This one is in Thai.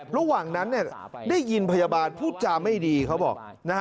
ระหว่างนั้นได้ยินพยาบาลพูดจาไม่ดีเขาบอก